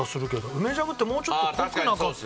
梅ジャムってもうちょっと濃くなかった？